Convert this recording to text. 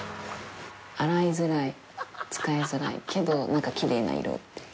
洗いづらい、使いづらいけどきれいな色という。